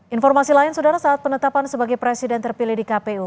informasi lain saudara saat penetapan sebagai presiden terpilih di kpu